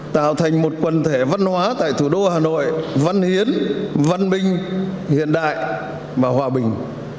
tạo thành một quần thể văn hóa tại thủ đô hà nội văn hiến văn minh hiện đại và hòa bình